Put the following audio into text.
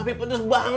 tapi pedas banget